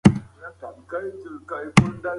تاسو د پښتو ادب لرغونې دوره لوستلې ده؟